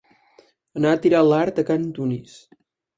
Anar a tirar l'art a can Tunis.